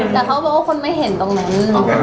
แต่เขาบอกว่าคนไม่เห็นตรงนั้น